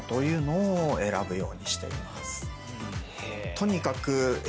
とにかく。